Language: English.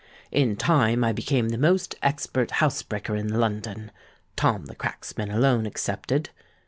In time I became the most expert housebreaker in London—Tom the Cracksman alone excepted.